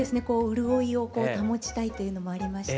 潤いを保ちたいというのもありまして。